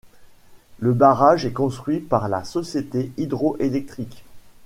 Le barrage est construit par la société Hydroélectrique.